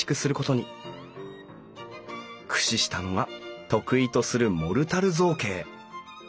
駆使したのが得意とするモルタル造形。